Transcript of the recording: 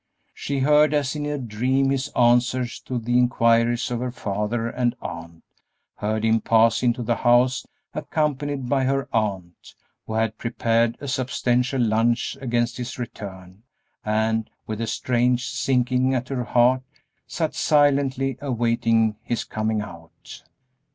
She heard as in a dream his answers to the inquiries of her father and aunt; heard him pass into the house accompanied by her aunt, who had prepared a substantial lunch against his return, and, with a strange sinking at her heart, sat silently awaiting his coming out.